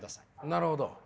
なるほど。